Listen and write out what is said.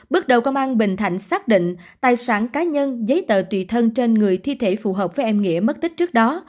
bước đầu công an bình thạnh xác định tài sản cá nhân giấy tờ tùy thân trên người thi thể phù hợp với em nghĩa mất tích trước đó